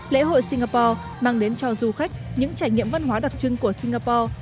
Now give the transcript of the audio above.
lễ hội singapore mang đến cho du khách những trải nghiệm văn hóa đặc trưng của singapore